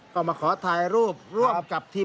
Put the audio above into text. ก็มาขอถ่ายรูปร่วมกับทีม